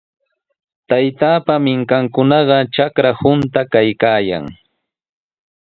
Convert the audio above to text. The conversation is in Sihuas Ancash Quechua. Taytaapa minkayninkunaqa patra hunta kaykaayan.